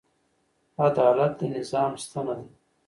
عدالت د نظام ستنه ده.